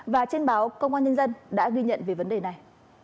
và trên báo công an nhân dân đã ghi nhận về vấn đề này